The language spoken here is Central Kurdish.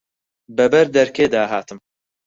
بە بەر دەرکێ دا هاتم